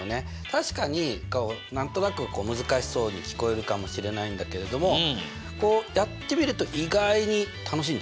確かに何となく難しそうに聞こえるかもしれないんだけれどもやってみると意外に楽しいんだよ。